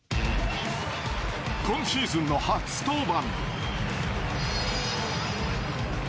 今シーズンの初登板。